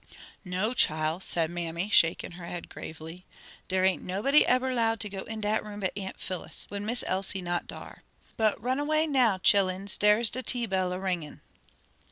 "No, chile," said mammy, shaking her head gravely, "dere ain't nobody eber 'lowed to go in dat room but Aunt Phillis, when Miss Elsie not dar. But run away now, chillins, dere's de tea bell a ringin'."